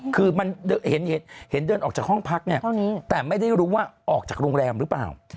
คือมันเห็นเดินออกจากห้องพักเนี่ยแต่ไม่ได้รู้ว่าออกจากโรงแรมหรือเปล่า